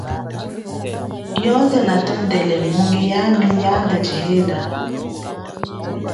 Yoze natondele, muli iye, bungeyami yanda chihela.